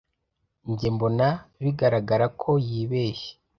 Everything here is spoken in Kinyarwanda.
Njye mbona bigaragara ko yibeshye